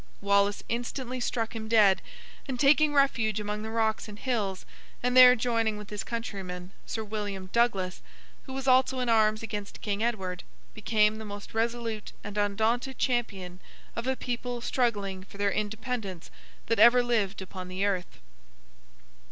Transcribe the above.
Wallace instantly struck him dead, and taking refuge among the rocks and hills, and there joining with his countryman, Sir William Douglas, who was also in arms against King Edward, became the most resolute and undaunted champion of a people struggling for their independence that ever lived upon the earth.